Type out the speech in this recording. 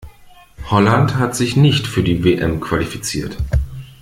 Holland hat sich nicht für die WM qualifiziert.